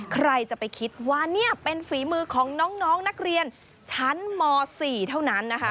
ใครจะไปคิดว่านี่เป็นฝีมือของน้องนักเรียนชั้นม๔เท่านั้นนะคะ